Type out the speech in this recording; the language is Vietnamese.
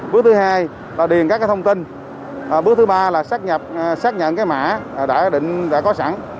bước thứ hai là điền các thông tin bước thứ ba là xác nhận cái mã đã có sẵn